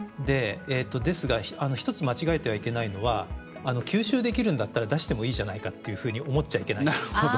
ですが一つ間違えてはいけないのは吸収できるんだったら出してもいいじゃないかっていうふうに思っちゃいけないんです。